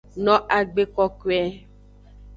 No agbe kokoe.